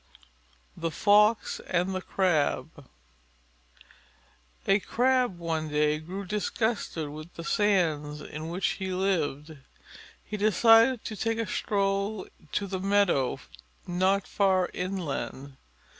_ THE FOX AND THE CRAB A Crab one day grew disgusted with the sands in which he lived. He decided to take a stroll to the meadow not far inland.